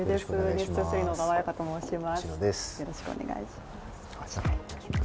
「ｎｅｗｓ２３」の小川彩佳と申します。